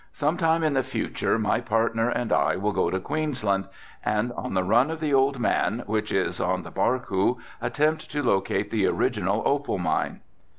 Some time in the future my partner and I will go to Queensland and on the run of the old man, which is on the Barcoo, attempt to locate the original opal mine.